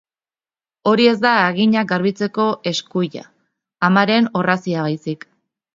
Hori ez da haginak garbitzeko eskuila, amaren orrazia baizik.